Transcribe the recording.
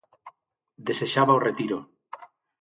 Desexaba o retiro.